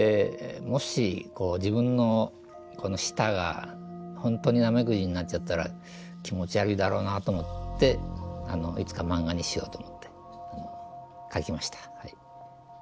もしこう自分の舌が本当にナメクジになっちゃったら気持ち悪いだろうなと思っていつか漫画にしようと思って描きました。